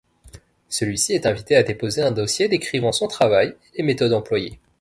Celui-ci est invité à déposer un dossier décrivant son travail et les méthodes employées.